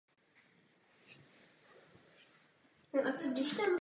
Byla to zábava.